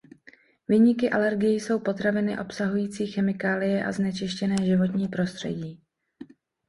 Viníky alergií jsou potraviny obsahující chemikálie a znečištěné životní prostředí.